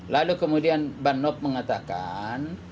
lalu kemudian bang nop mengatakan